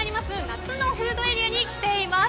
夏のフードエリアに来ています。